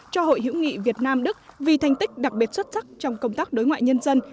cho hội hiểu nghị việt nam đức vì thành tích đặc biệt xuất sắc trong công tác đối ngoại nhân dân